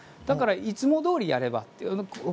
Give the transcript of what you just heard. だから、いつもどおりやれば。